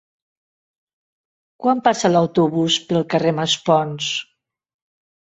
Quan passa l'autobús pel carrer Maspons?